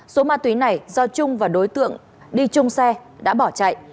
số ma túy này do trung và đối tượng đi chung xe đã bỏ chạy